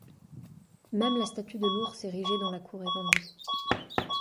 Même la statue de l'ours érigée dans la cour est vendue.